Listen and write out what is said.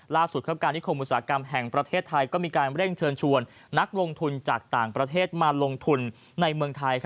ล่าสุดการนิคมอุตสาหกรรมแห่งประเทศไทยก็มีการเร่งเชิญชวนนักลงทุนจากต่างประเทศมาลงทุนในเมืองไทย